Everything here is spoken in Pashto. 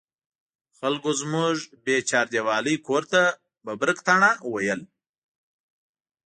خلکو زموږ بې چاردیوالۍ کور ته ببرک تاڼه ویلې.